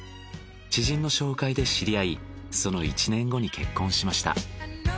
知人の紹介で知り合いその１年後に結婚しました。